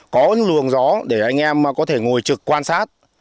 có luồng gió để anh em có thể ngồi trực quan sát